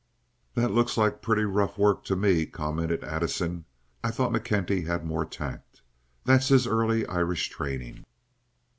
"That looks like pretty rough work to me," commented Addison. "I thought McKenty had more tact. That's his early Irish training."